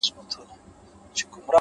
o کور مي د بلا په لاس کي وليدی؛